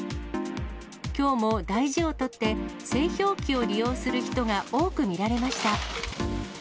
きょうも大事をとって、製氷機を利用する人が多く見られました。